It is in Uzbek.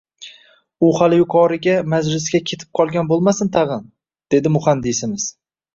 U hali yuqoriga majlisga ketib qolgan bo`lmasin tag`in, dedi muhandisimiz